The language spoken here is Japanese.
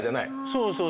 そうそう。